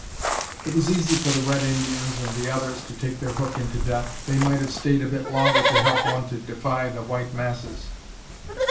"It was easy for the Red Indians and the Others to take their hook into death. They might have stayed a bit longer to help one to defy the white masses.